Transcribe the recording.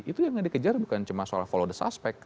itu yang dikejar bukan cuma soal follow the suspect